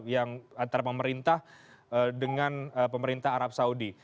yang antara pemerintah dengan pemerintah arab saudi